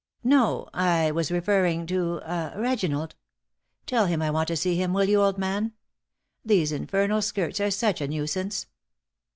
"No; I was referring to ah Reginald. Tell him I want to see him, will you, old man? These infernal skirts are such a nuisance!"